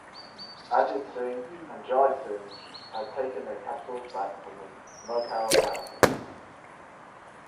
Ajit Singh and Jai Singh had taken their capitals back from the Mughal Garrisons.